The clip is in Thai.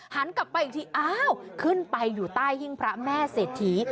หันกลับไปอีกทีอ้าวขึ้นไปอยู่ใต้หิ้งพระแม่เศรษฐี